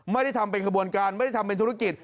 ไม่ได้ทำเป็นขบวนการไม่ได้ทำเป็นธุรกิจ